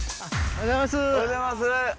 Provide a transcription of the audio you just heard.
おはようございます！